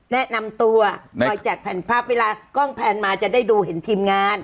แนะนำตัวรอยจากแผ่นภาพเวลากล้องแพนมาจะได้ดูเห็นทีมงาน